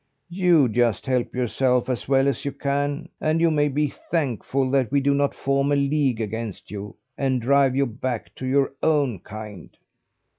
You just help yourself as well as you can; and you may be thankful that we do not form a league against you, and drive you back to your own kind!"